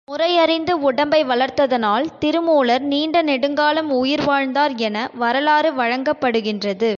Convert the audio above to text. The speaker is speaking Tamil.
முறையறிந்து உடம்பை வளர்த்ததனால், திருமூலர் நீண்ட நெடுங்காலம் உயிர் வாழ்ந்தார் என வரலாறு வழங்கப்படுகின்றது.